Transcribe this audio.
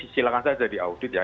silahkan saja di audit ya